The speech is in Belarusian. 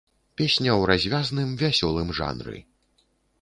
Песня ў развязным, вясёлым жанры.